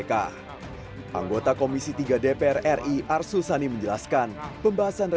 dianggap sebagai upaya pelaksanaan